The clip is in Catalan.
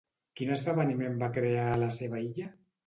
Quin esdeveniment va crear a la seva illa?